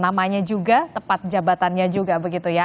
namanya juga tepat jabatannya juga begitu ya